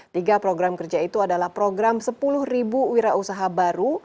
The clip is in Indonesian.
tiga program kerja itu adalah program sepuluh wira usaha baru